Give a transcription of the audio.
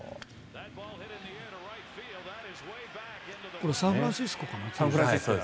これサンフランシスコかな。